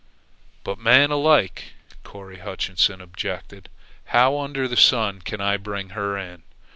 "But, man alike!" Corry Hutchinson objected "how under the sun can I bring her in?